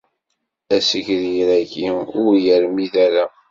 Azegrir-agi ur yermid ara.